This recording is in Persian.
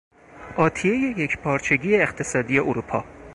آتیهی یکپارچگی اقتصادی اروپا